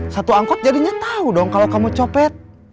satu angkot jadinya tahu dong kalau kamu copet